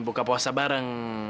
buka puasa bareng